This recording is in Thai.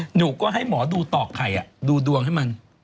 หนูก็ให้หมอดูตอกไข่ดูดวงให้มัน